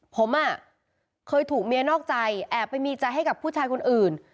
ผมเคยถูกเมียนอกใจแอบไปมีใจให้กับผู้ชายคนอื่น